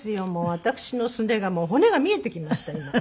私のすねがもう骨が見えてきました今。